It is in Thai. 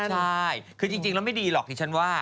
ใช่คือจริงแล้วไม่ดีหรอกที่ฉันว่า